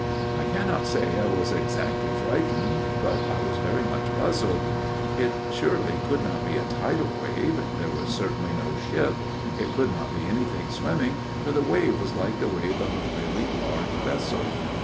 " I cannot say I was exactly frightened ; but I was very much puzzled. It surely could not be a tidal wave ; there was certainly no ship ; it could not be anything swimming, for the wave was like the wave of a really large vessel.